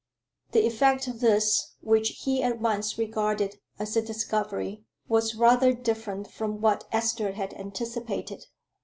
The effect of this which he at once regarded as a discovery, was rather different from what Esther had anticipated.